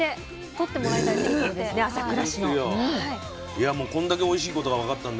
いやもうこんだけおいしいことが分かったんでね